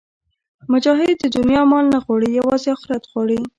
مجاهد د دنیا مال نه غواړي، یوازې آخرت غواړي.